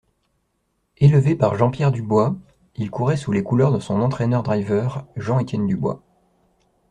Élevé par Jean-Pierre Dubois, il courait sous les couleurs de son entraîneur-driver, Jean-Étienne Dubois.